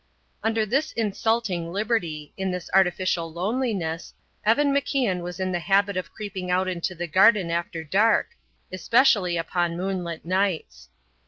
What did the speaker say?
Under this insulting liberty, in this artificial loneliness, Evan MacIan was in the habit of creeping out into the garden after dark especially upon moonlight nights.